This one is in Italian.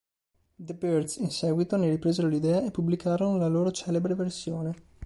The Byrds, in seguito, ne ripresero l'idea e pubblicarono la loro celebre versione.